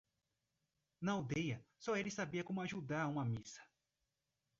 Na aldeia, só ele sabia como ajudar uma missa.